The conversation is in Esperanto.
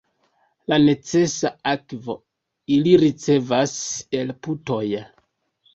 La necesa akvo ili ricevas el putoj.